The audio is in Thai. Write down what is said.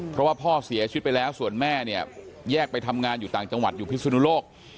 เพราะว่าพ่อเสียชีวิตไปแล้วส่วนแม่เนี่ยแยกไปทำงานอยู่ต่างจังหวัดอยู่พิศนุโลก